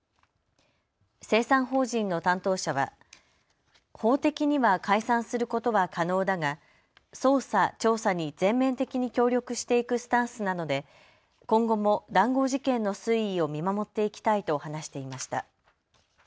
清算法人の担当者は法的には解散することは可能だが捜査・調査に全面的に協力していくスタンスなので今後も談合事件の推移を見守っていきたいと話していました。